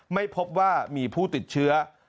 ไม่พบว่ามีผู้ติดเชื้อ